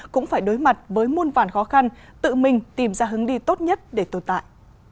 cũng phải đối mặt với muôn vàn khó khăn tự mình tìm ra hướng đi tốt nhất để tồn tại